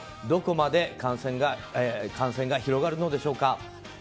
どこまで感染が広がるのでしょうか。